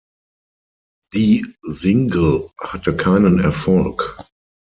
Die Single hatte keinen Erfolg.